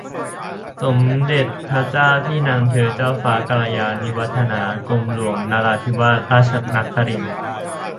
สมเด็จพระเจ้าพี่นางเธอ เจ้าฟ้ากัลยาณิวัฒนา กรมหลวงนราธิวาสราชครินทร์